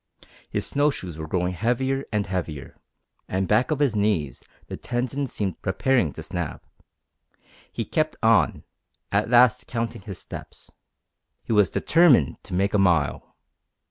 His snow shoes were growing heavier and heavier, and back of his knees the tendons seemed preparing to snap. He kept on, at last counting his steps. He was determined to make a mile.